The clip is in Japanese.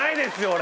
俺。